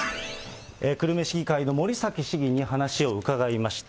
久留米市議会の森崎市議に話を伺いました。